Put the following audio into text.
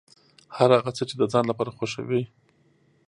هر هغه څه چې د ځان لپاره خوښوې.